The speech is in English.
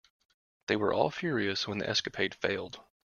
They were all furious when the escapade failed.